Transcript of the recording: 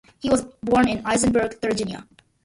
He was born in Eisenberg, Thuringia.